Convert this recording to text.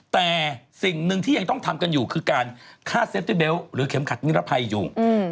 แต่สิ่งหนึ่งที่ยังต้องทำกันอยู่คือการฆ่าเซฟตี้เบลต์หรือเข็มขัดนิรภัยอยู่